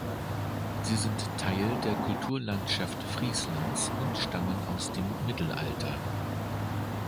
Sie sind Teil der Kulturlandschaft Frieslands und stammen aus dem Mittelalter.